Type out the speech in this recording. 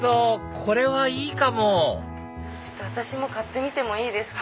これはいいかも私も買ってみてもいいですか？